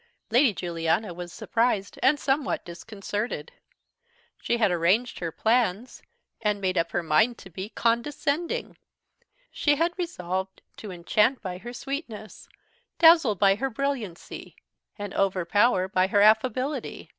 Lady Juliana was surprised and somewhat disconcerted. She had arranged her plans, and made up her mind to be condescending; she had resolved to enchant by her sweetness, dazzle by her brilliancy, and overpower by her affability.